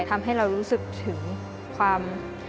ทำให้เรารู้สึกถึงความ